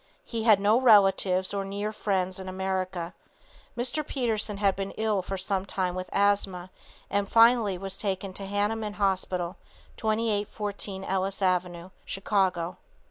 He had no relatives or near friends in America. Mr. Peterson had been ill for some time with asthma and finally was taken to the Hahnemann Hospital, 2814 Ellis avenue, Chicago.